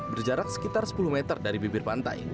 berjarak sekitar sepuluh meter dari bibir pantai